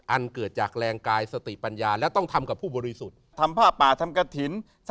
อันเกิดจากแรงกายสติปัญญาและต้องทำกับผู้บริสุทธิ์